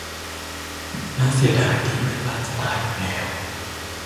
น่าเสียดายที่เพื่อนบ้านจะตายอยู่แล้ว